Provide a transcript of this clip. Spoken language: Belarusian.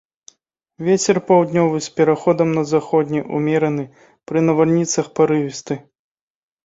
Вецер паўднёвы з пераходам на заходні, умераны, пры навальніцах парывісты.